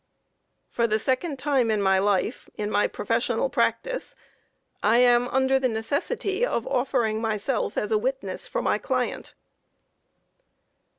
For the second time in my life, in my professional practice, I am under the necessity of offering myself as a witness for my client.